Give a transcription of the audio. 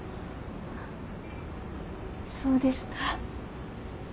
そうですか。